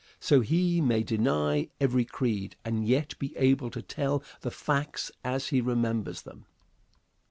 So he may deny every creed, and yet be able to tell the facts as he remembers them.